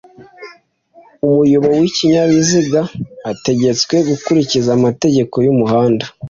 Umuyobo w’ikinyabizigaategetswe gukurikiza amategeko y’ umuhanda